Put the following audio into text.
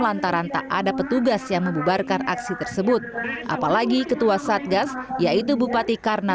lantaran tak ada petugas yang membubarkan aksi tersebut apalagi ketua satgas yaitu bupati karna